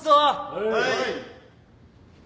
・はい。